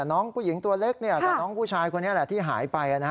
แต่น้องผู้หญิงตัวเล็กเนี่ยแต่น้องผู้ชายคนนี้แหละที่หายไปนะฮะ